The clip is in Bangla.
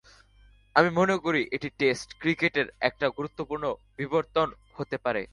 আমি মনে করি এটি টেস্ট ক্রিকেটের একটা গুরুত্বপূর্ণ বিবর্তন হতে পারে।